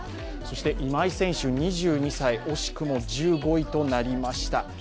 そして、今井選手２２歳、惜しくも１５位となりました。